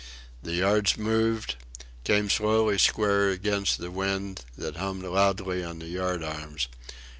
The yards moved, came slowly square against the wind, that hummed loudly on the yard arms.